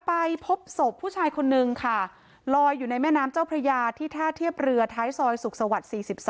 ไปพบศพผู้ชายคนนึงค่ะลอยอยู่ในแม่น้ำเจ้าพระยาที่ท่าเทียบเรือท้ายซอยสุขสวรรค์๔๓